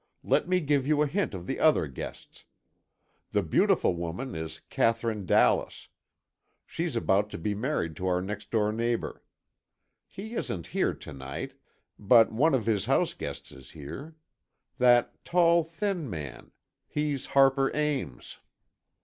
Let me give you a hint of the other guests. The beautiful woman is Katherine Dallas. She's about to be married to our next door neighbour. He isn't here to night. But one of his house guests is here. That tall, thin man,—he's Harper Ames."